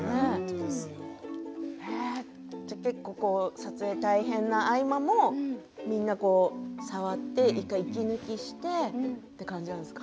撮影が大変な合間もみんな触って１回息抜きしてという感じなんですか。